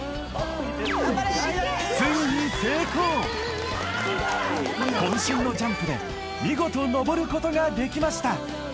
ついにこん身のジャンプで見事登ることができました